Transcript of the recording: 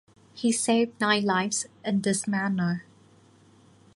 He saved nine lives in this manner.